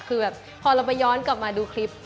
คือแบบพอเราไปย้อนกลับมาดูคลิป